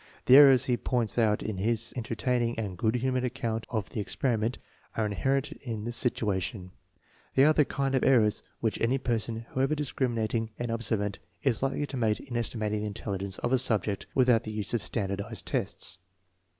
The errors he points out in his entertaining and good humored account of the experi ment are inherent in the situation. They are the kind of errors which any person, however discriminating and ob servant, is likely to make in estimating the intelligence of a subject without the use of standardized tests.